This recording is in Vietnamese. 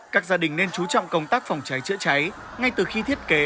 các gia đình nên chú trọng công tác phòng cháy chữa cháy ngay từ khi thiết kế